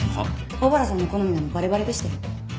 小原さんの好みなのバレバレでしたよ。